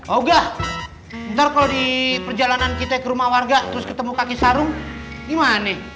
ogah ntar kalau di perjalanan kita ke rumah warga terus ketemu kaki sarung gimana